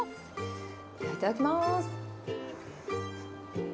いただきます。